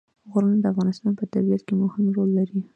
غرونه د افغانستان په طبیعت کې مهم رول لري.